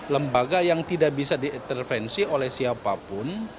lembaga yang tidak bisa diintervensi oleh siapa pun